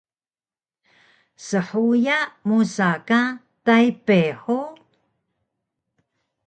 Shuya musa ka Taypey hug?